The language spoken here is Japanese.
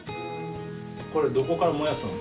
これどこから燃やすの？